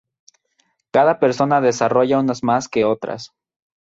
Cada persona desarrolla unas más que otras.